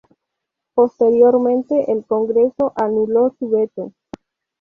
Posteriormente, el Congreso anuló su veto.